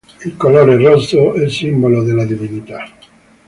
Il colore rosso è simbolo della divinità.